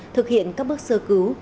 thực hiện các bước sơ cứu